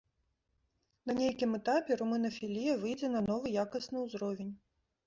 На нейкім этапе румынафілія выйдзе на новы якасны ўзровень.